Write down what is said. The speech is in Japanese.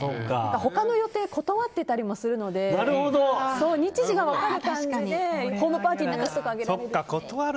他の予定断ってたりもするので日時が分かる感じでホームパーティーの様子とかを上げられると。